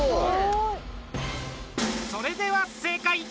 それでは正解。